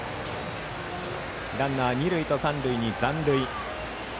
ランナー、二塁と三塁に残塁。